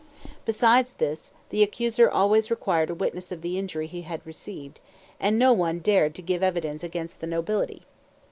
Besides this, the accuser always required a witness of the injury he had received, and no one dared to give evidence against the nobility.